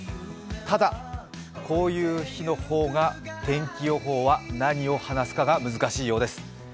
ただ、こういう日の方が天気予報は何を話すかが難しいようです。